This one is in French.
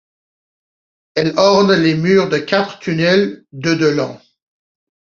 Elles ornent les murs de quatre tunnels de de long.